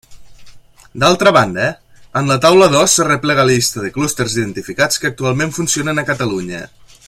D'altra banda, en la taula dos s'arreplega la llista de clústers identificats que actualment funcionen a Catalunya.